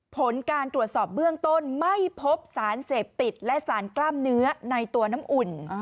ผลการตรวจสอบเบื้องต้นไม่พบสารเสพติดและสารกล้ามเนื้อในตัวน้ำอุ่น